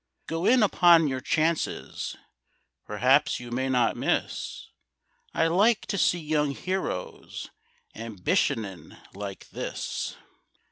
Go in upon your chances,— Perhaps you may not miss; I like to see young heroes Ambitionin' like this."